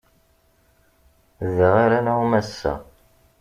Da ara nɛum ass-a.